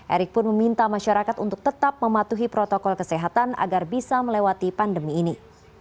erick pun meminta masyarakat untuk tetap mematuhi protokol kesehatan agar bisa melewati pandemi ini